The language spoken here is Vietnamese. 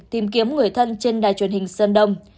tìm kiếm người thân trên đài truyền hình sơn đông